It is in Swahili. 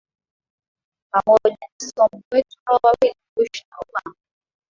pamoja ni somo kwetu Hawa wawili Bush na Obama